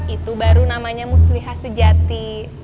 itu baru namanya musliha sejati